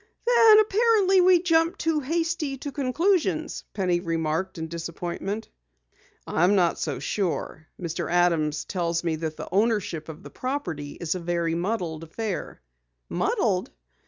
"Then apparently we jumped too hasty to conclusions," Penny remarked in disappointment. "I'm not so sure. Mr. Adams tells me that the ownership of the property is a very muddled affair." "Muddled?"